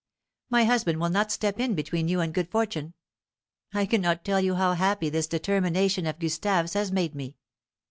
My husband will not step in between you and good fortune. I cannot tell you how happy this determination of Gustave's has made me.